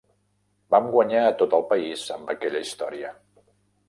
Vam guanyar a tot el país amb aquella història.